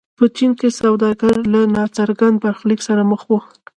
په چین کې سوداګر له ناڅرګند برخلیک سره مخ وو.